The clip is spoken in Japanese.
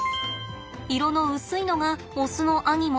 色の薄いのがオスのアニモ。